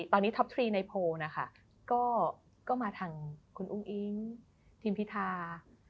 ตอนนี้ท็อปทรีในโพลนะคะก็มาทางคุณอุ้งอิ๊งทิมพิธา